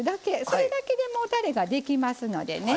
それだけでもうたれができますのでね。